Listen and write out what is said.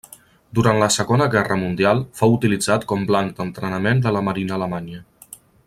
Durant la Segona Guerra Mundial fou utilitzat com blanc d'entrenament de la Marina alemanya.